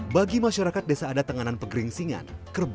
bagi masyarakat desa ada tengganan peking seringan kerbau